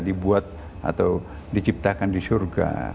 dibuat atau diciptakan di surga